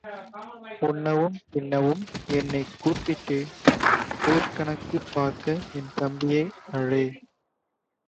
உண்ணவும் தின்னவும் என்னைக் கூப்பிடு ஊர்க்கணக்குப் பார்க்க என் தம்பியை அழை.